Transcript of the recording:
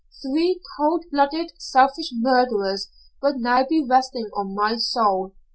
Three coldblooded, selfish murders would now be resting on my soul.